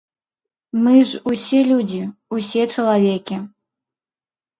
Мы ж усе людзі, усе чалавекі.